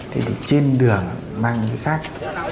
thế thì trên đường mang cái sát